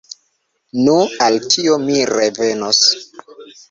Nu, al tio mi revenos.